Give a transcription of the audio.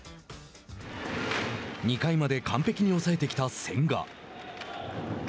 ２回まで完璧に抑えてきた千賀。